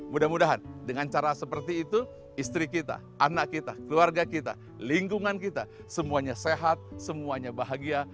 mudah mudahan dengan cara seperti itu istri kita anak kita keluarga kita lingkungan kita semuanya sehat semuanya bahagia